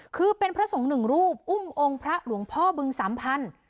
คือเป็นพระสงฆ์หนึ่งรูปอุ้มองค์พระหลวงพ่อบึงสัมพันธ์